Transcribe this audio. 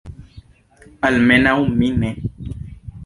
Almenaŭ mi ne.